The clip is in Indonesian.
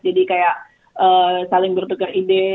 jadi kayak saling bertukar ide